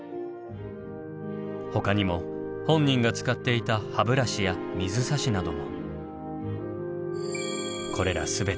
ほかにも本人が使っていた歯ブラシや水差しなども。